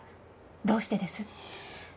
どうしてです？